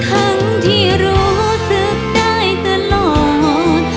ทั้งที่รู้สึกได้ตลอด